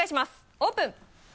オープン。